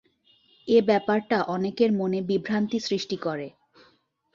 এ ব্যাপারটা অনেকের মনে বিভ্রান্তি সৃষ্টি করে।